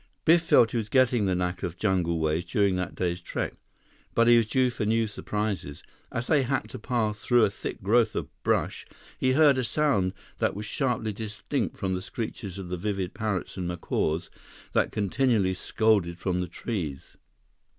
Biff felt that he was getting the knack of jungle ways during that day's trek, but he was due for new surprises. As they hacked a path through a thick growth of brush, he heard a sound that was sharply distinct from the screeches of the vivid parrots and macaws that continually scolded from the trees.